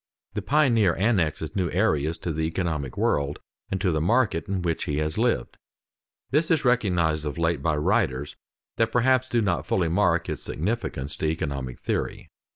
The pioneer annexes new areas to the economic world and to the market in which he has lived. This is recognized of late by writers that perhaps do not fully mark its significance to economic theory.